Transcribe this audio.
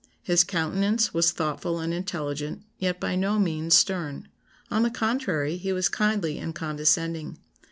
His countenance was thoughtful and intelligent, yet by no means stern. On the contrary, he was kindly and condescending.